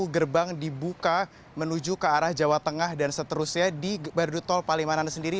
dua puluh gerbang dibuka menuju ke arah jawa tengah dan seterusnya di bardu tol palimanan sendiri